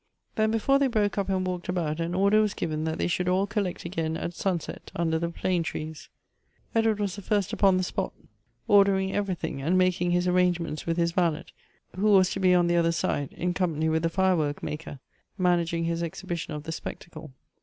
Then, before they broke up and walked about, an order was given that they should all collect again at sunset under the plane trees. Edward was the first upon the spot, ordering everything, and making his arrangements with his valet, who was to be on the other side, in com pany with the firework maker, managing his exhibition of the spectacle.